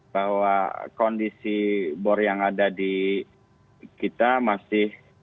bahwa kondisi bor yang ada di kita masih